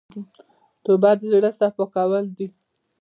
توبه د زړه صفا کول دي.